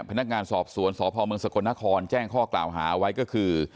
พนักงานสอบสวนสพเมืองสกลนครแจ้งข้อกล่าวหาไว้ก็คือ